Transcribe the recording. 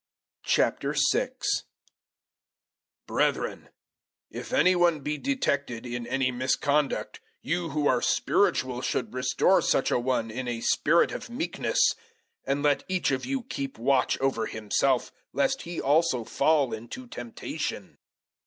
006:001 Brethren, if anybody be detected in any misconduct, you who are spiritual should restore such a one in a spirit of meekness. And let each of you keep watch over himself, lest he also fall into temptation.